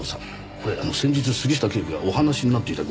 これ先日杉下警部がお話しになっていた御仁ではと。